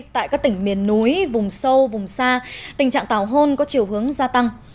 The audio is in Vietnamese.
tại các tỉnh miền núi vùng sâu vùng xa tình trạng tảo hôn có chiều hướng gia tăng